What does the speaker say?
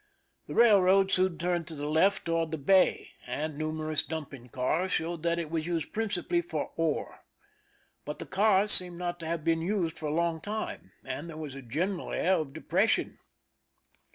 The railroad soon turned to the left toward the bay, and numerous dumping cars showed that it was used principally for ore. But the cars seemed not to have been used for a long time, and there was a general air of depression.